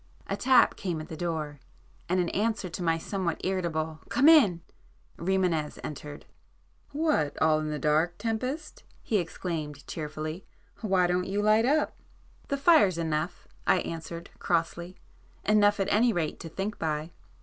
A tap came at the door, and in answer to my somewhat irritable "Come in!" Rimânez entered. "What, all in the dark Tempest!" he exclaimed cheerfully—"Why don't you light up?" "The fire's enough,"—I answered crossly—"Enough at any rate to think by."